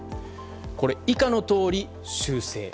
以下のとおり修正。